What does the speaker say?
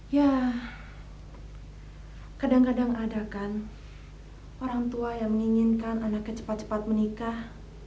ya kadang kadang ada kan orang tua yang menginginkan anaknya cepat cepat menikah